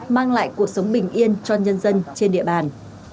mang lại cuộc sống bình yên cho nhân dân trên địa bàn